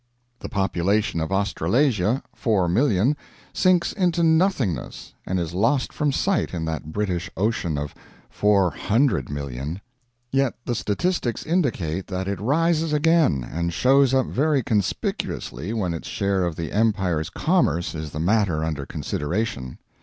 The population of Australasia 4,000,000 sinks into nothingness, and is lost from sight in that British ocean of 400,000,000. Yet the statistics indicate that it rises again and shows up very conspicuously when its share of the Empire's commerce is the matter under consideration.